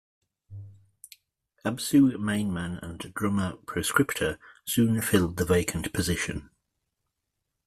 Absu mainman and drummer Proscriptor soon filled the vacant position.